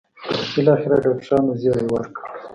بالاخره ډاکټرانو زېری وکړ.